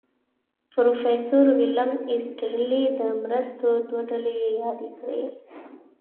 پروفیسر ویلیم ایسټرلي د مرستو دوه ډلې یادې کړې.